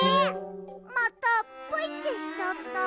またプイってしちゃった。